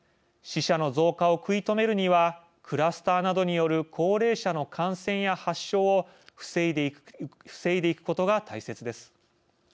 死者の増加を食い止めるにはクラスターなどによる高齢者の感染や発症を防いでいくことが大切です。